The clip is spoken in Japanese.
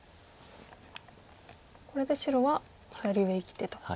これで白は生きてと。